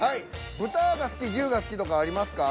豚が好き牛が好きとかありますか？